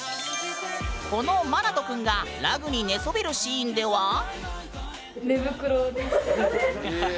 このＭＡＮＡＴＯくんがラグに寝そべるシーンでは？